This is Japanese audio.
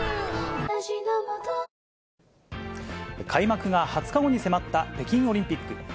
開幕が２０日後に迫った北京オリンピック。